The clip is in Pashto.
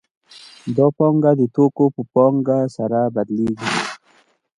دا پانګه د توکو په پانګه سره بدلېږي